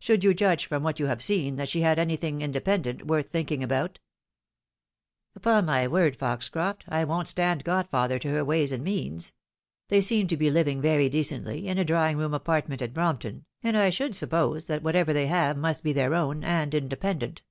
Should you judge from what you have seen, that she had any thing independent worth thinking about ?" Upon my word, Foxcroffc, I won't stand godfather to her ways and means. They seem to be living very decently, in a drawing room apaa'tment at Brompton, and I should suppose that whatever they have must be their own, and independent.